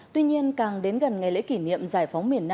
tuy nhiên càng đến gần ngày lễ kỷ niệm giải phóng mỹ